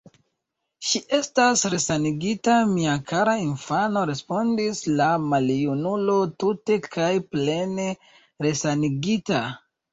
Ŝi estas resanigita, mia kara infano, respondis la maljunulo, tute kaj plene resanigita.